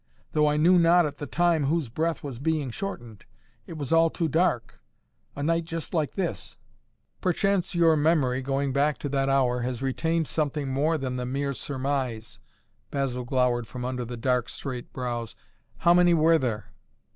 "Though I knew not at the time whose breath was being shortened. It was all too dark a night just like this " "Perchance your memory, going back to that hour, has retained something more than the mere surmise," Basil glowered from under the dark, straight brows. "How many were there?"